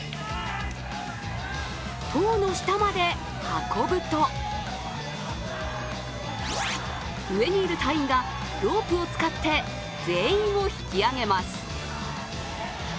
棟の下まで運ぶと上にいる隊員がロープを使って全員を引き上げます。